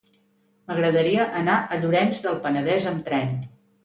M'agradaria anar a Llorenç del Penedès amb tren.